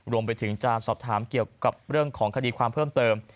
รวมไปถึงจะสอบถามเกี่ยวกับเรื่องของคดีความเพิ่มเติม